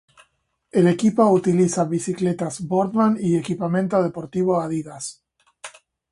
El equipo utiliza bicicletas Boardman y equipamiento deportivo Adidas.